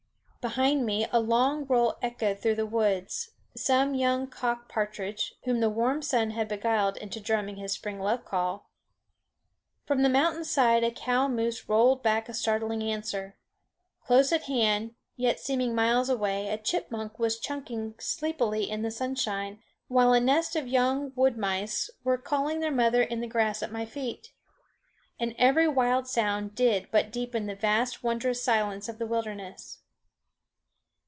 Behind me a long roll echoed through the woods some young cock partridge, whom the warm sun had beguiled into drumming his spring love call. From the mountain side a cow moose rolled back a startling answer. Close at hand, yet seeming miles away, a chipmunk was chunking sleepily in the sunshine, while a nest of young wood mice were calling their mother in the grass at my feet. And every wild sound did but deepen the vast, wondrous silence of the wilderness.